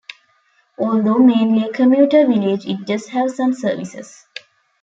Although mainly a commuter village it does have some services.